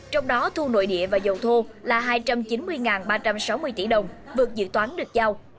trong đó thu nội địa và dầu thô là hai trăm chín mươi ba trăm sáu mươi tỷ đồng vượt dự toán được giao